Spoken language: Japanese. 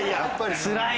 つらいな。